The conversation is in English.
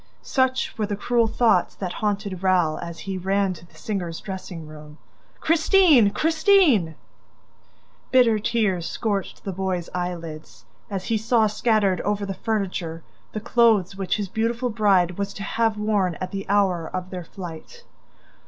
Such were the cruel thoughts that haunted Raoul as he ran to the singer's dressing room. "Christine! Christine!" Bitter tears scorched the boy's eyelids as he saw scattered over the furniture the clothes which his beautiful bride was to have worn at the hour of their flight.